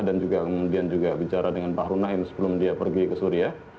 dan juga kemudian juga bicara dengan bahru naim sebelum dia pergi ke suria